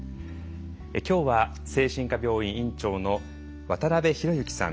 今日は精神科病院院長の渡邉博幸さん。